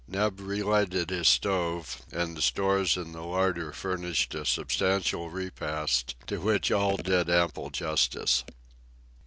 Neb relighted his stove, and the stores in the larder furnished a substantial repast, to which all did ample justice.